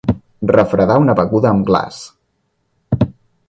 Refredar una beguda amb glaç.